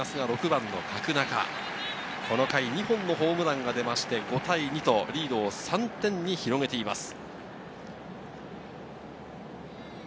６番・角中、この回２本のホームランが出て５対２とリードを３点に広げています。